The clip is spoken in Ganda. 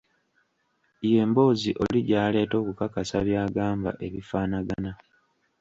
Ye mboozi oli gy'aleeta okukakasa by'agamba ebifaanagana.